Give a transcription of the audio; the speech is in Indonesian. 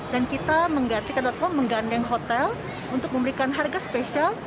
dan kita mengganti ke ticket com menggandeng hotel untuk memberikan harga spesial